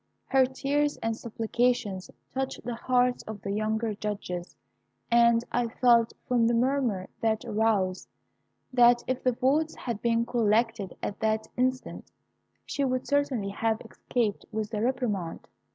"Her tears and supplications touched the hearts of the younger judges, and I felt, from the murmur that arose, that if the votes had been collected at that instant, she would certainly have escaped with a reprimand.